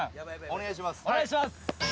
お願いします。